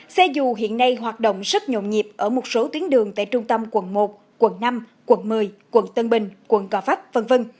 xe dù hiện nay hoạt động rất nhộn nhịp ở một số tuyến đường tại trung tâm quận một quận năm quận một mươi quận tân bình quận gò pháp v v